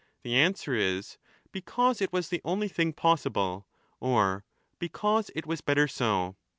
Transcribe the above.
' the answer is, ' Because it was 15 the only thing possible,' or ' Because it was better so.'